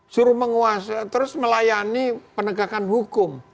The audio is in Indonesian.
suruh menguasai terus melayani penegakan hukum